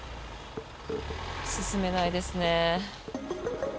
進めないですね。